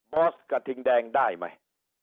อสกระทิงแดงได้ไหม